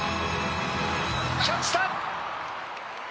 キャッチした。